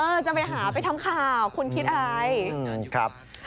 เออจะไปหาไปทำข่าวคุณคิดอะไร